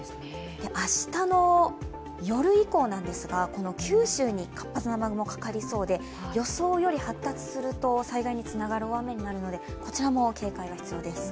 明日の夜以降なんですが九州に活発な雨雲がかかりそうで予想より発達すると災害につながる大雨になるのでこちらも警戒が必要です。